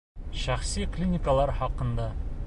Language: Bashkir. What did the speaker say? Шәхси клиникалар хаҡында